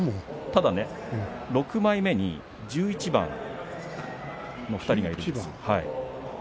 ただ６枚目に１１番の２人がいるんです。